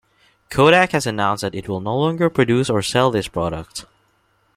Kodak has announced that it will no longer produce or sell this product.